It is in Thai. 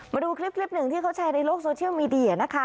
มาดูคลิปหนึ่งที่เขาแชร์ในโลกโซเชียลมีเดียนะคะ